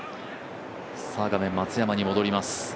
松山に戻ります。